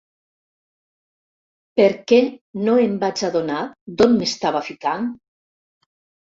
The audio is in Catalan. ¿Per què no em vaig adonar d'on m'estava ficant?